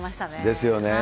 ですよね。